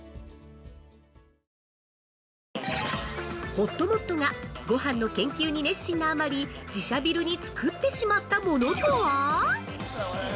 ◆ほっともっとが、ごはんの研究に熱心なあまり自社ビルに作ってしまったものとは？